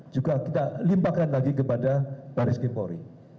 juga kita limpahkan lagi kepada baris krimpori